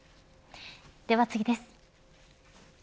では次です。